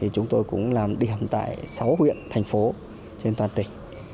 chúng tôi cũng làm điểm tại sáu huyện thành phố trên toàn tỉnh